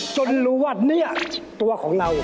จนรู้ว่าเนี่ยตัวของเรา